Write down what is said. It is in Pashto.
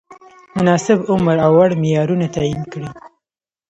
مناسب عمر او وړ معیارونه تعین کړي.